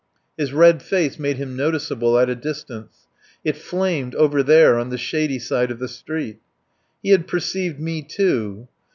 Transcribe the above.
His red face made him noticeable at a distance. It flamed, over there, on the shady side of the street. He had perceived me, too.